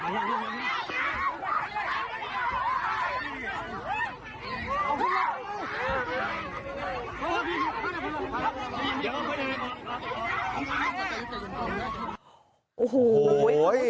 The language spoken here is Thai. โอ้โหมันควรเข้าสม